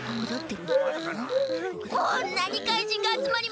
こんなに怪人があつまりました！